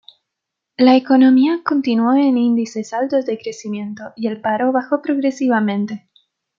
La economía continuó en índices altos de crecimiento y el paro bajó progresivamente.